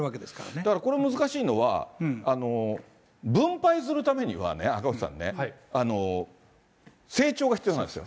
だからこれ、難しいのは、分配するためにはね、成長が必要なんですよ。